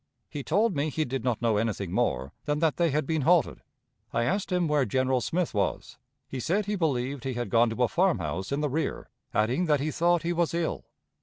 He told me he did not know anything more than that they had been halted. I asked him where General Smith was; he said he believed he had gone to a farmhouse in the rear, adding that he thought he was ill.